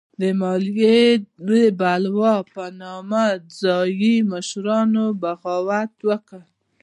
د مالیې بلوا په نامه ځايي مشرانو بغاوت وکړ.